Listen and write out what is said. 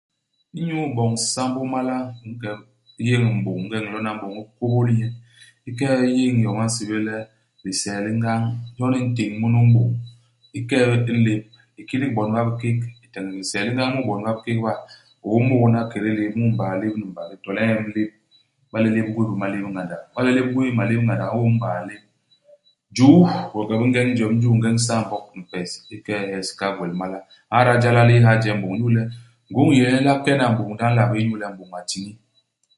Inyu iboñ sambô i mala, u nke u yéñ m'bôñ. Ingeñ u nlona m'bôñ, u kôbôl nye. U ke'e u yéñ iyom ba nsébél le lisee li ngañ. Jon u ntéñ munu i m'bôñ. U ke'e i lép. U kidik bon ba bikék, u téñék lisee li ngañ mu i bon ba bikék ba. U ômôk hana i lép ; mut i mbaa lép ni mbaa lép ; to le i ñem u lép, iba le lép u gwéé bé malép ngandak. Iba le lép u gwéé malép ngandak u ñôm i mbaa lép. Juu, gweges bi ngeñ jwem i juu, ngeñ isaambok ni pes, u ke'e u hes. U hahal gwel mala. U ñada jala li yé ha ije m'bôñ inyu le ngôñ i yé nye le a kena m'bôñ ndi a nla bé inyu le m'bôñ a tiñi.